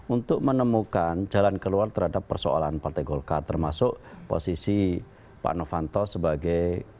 untuk menemukan jalan keluar terhadap persoalan partai golkar termasuk posisi pak novanto sebagai